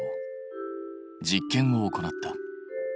実験を行った。